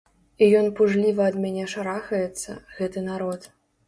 І ён пужліва ад мяне шарахаецца, гэты народ.